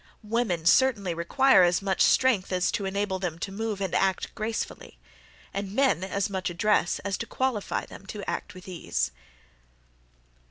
Women certainly require as much strength as to enable them to move and act gracefully, and men as much address as to qualify them to act with ease."